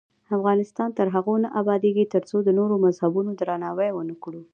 افغانستان تر هغو نه ابادیږي، ترڅو د نورو مذهبونو درناوی ونکړو.